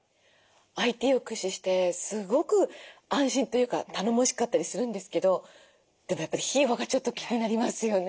ＩＴを駆使してすごく安心というか頼もしかったりするんですけどでもやっぱり費用がちょっと気になりますよね。